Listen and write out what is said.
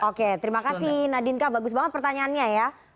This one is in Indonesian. oke terima kasih nadinka bagus banget pertanyaannya ya